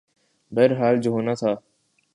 بہرحال جو ہونا تھا۔